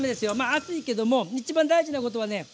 熱いけども一番大事なことはね